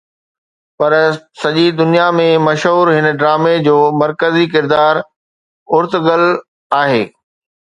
پر سڄي دنيا ۾ مشهور هن ڊرامي جو مرڪزي ڪردار ارطغرل آهي